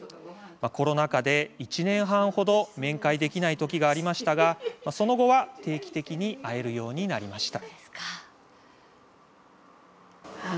コロナ禍で１年半程面会できない時がありましたがその後は定期的に会えるようになりました。